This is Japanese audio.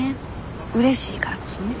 うれしいからこそね。